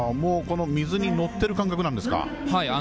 水に乗っている感覚なんですか。